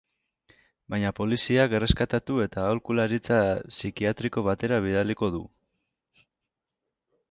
Baina poliziak erreskatatu eta aholkularitza psikiatriko batera bidaliko du.